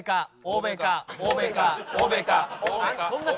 欧米か！